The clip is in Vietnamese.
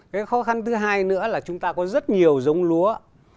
cái khó khăn thứ hai nữa là chúng ta có rất nhiều giống lúa